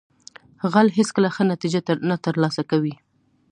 غل هیڅکله ښه نتیجه نه ترلاسه کوي